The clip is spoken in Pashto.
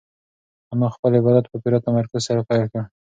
انا خپل عبادت په پوره تمرکز سره پیل کړ.